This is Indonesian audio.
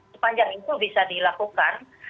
sepanjang itu bisa dilakukan